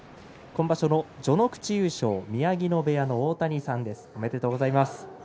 今場所、序ノ口優勝宮城野部屋の大谷さんですおめでとうございます。